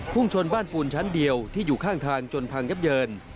ชนบ้านปูนชั้นเดียวที่อยู่ข้างทางจนพังยับเยิน